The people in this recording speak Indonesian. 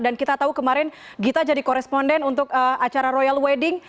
dan kita tahu kemarin gita jadi koresponden untuk acara royal wedding